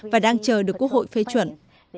và đang chờ được quốc hội phê chuẩn